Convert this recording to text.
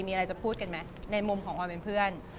มีอะไรจะพูดกันไหมในมุมของความเป็นเพื่อน